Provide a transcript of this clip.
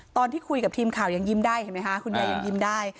ตอนที่คุยกับทีมข่าวยังยิ้มได้เห็นไหมคะคุณยายยังยิ้มได้